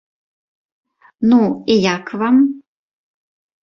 Ну, і як вам?